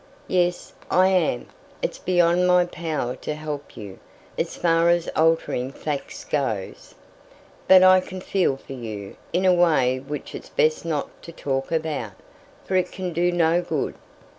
Yes, I am; it's beyond my power to help you, as far as altering facts goes, but I can feel for you, in a way which it's best not to talk about, for it can do no good.